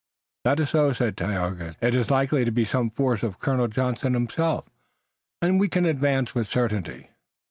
"That is so," said Tayoga. "It is likely to be some force of Colonel Johnson himself, and we can advance with certainty."